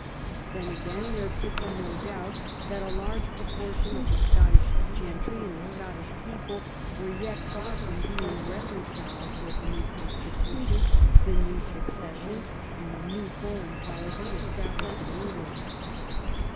Then, again, there could be no doubt that a large pro portion of the Scottish gentry and the Scottish people were yet far from being reconciled with the new consti tution, the new succession, and the new foreign policy established in England.